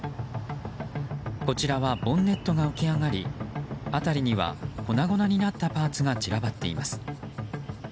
こちらはボンネットが浮き上がり辺りには粉々になったパーツが散らばっています。